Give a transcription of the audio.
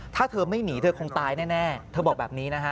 ถ้าเธอไม่หนีเธอคงตายแน่เธอบอกแบบนี้นะฮะ